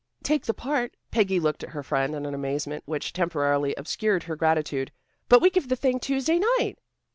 "Take the part?" Peggy looked at her friend in an amazement which temporarily obscured her gratitude. "But we give the thing Tuesday night."